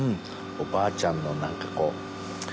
おばあちゃんの何かこうねっ？